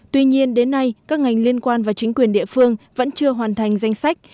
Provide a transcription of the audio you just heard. tuy nhiên đến nay các ngành liên quan và chính quyền địa phương vẫn chưa hoàn thành danh sách